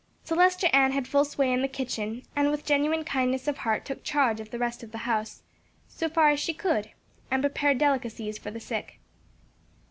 Celestia Ann had full sway in the kitchen, and with genuine kindness of heart took charge of the rest of the house, so far as she could, and prepared delicacies for the sick.